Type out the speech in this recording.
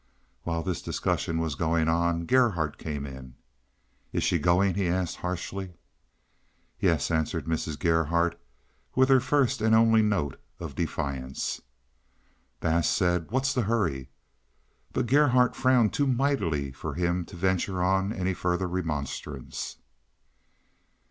While the discussion was still going on, Gerhardt came in. "Is she going?" he asked harshly. "Yes," answered Mrs. Gerhardt, with her first and only note of defiance. Bass said, "What's the hurry?" But Gerhardt frowned too mightily for him to venture on any further remonstrance.